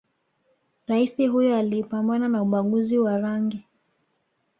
raisi huyo aliipambana na ubaguzi wa rangi